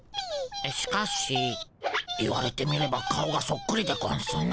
しかし言われてみれば顔がそっくりでゴンスな。